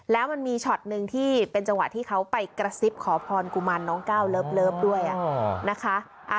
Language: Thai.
แล้วมันมีช็อตหนึ่งที่เป็นจังหวะที่เขาไปกระซิบขอพรกุมารน้องก้าวเลิฟด้วยนะคะ